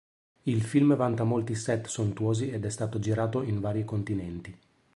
Il film vanta molti set sontuosi ed è stato girato in vari continenti.